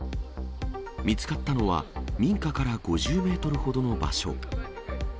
見つかったのは、民家から５０メートルほどの場所。